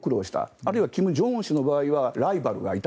あるいは金正恩氏の場合はライバルがいました。